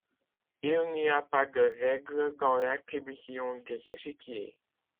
Il n'y a pas de règle dans l'attribution des échiquiers.